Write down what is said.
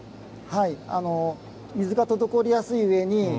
水が滞りやすいうえに